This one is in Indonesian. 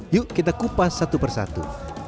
yuk kita kupas satu persatu